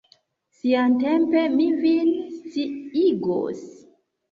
Siatempe mi vin sciigos.